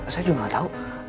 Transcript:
saya juga tahu